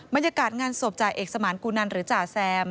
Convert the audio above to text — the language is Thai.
บรรยากาศงานศพจ่าเอกสมานกูนันหรือจ่าแซม